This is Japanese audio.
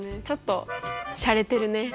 ちょっとしゃれてるね。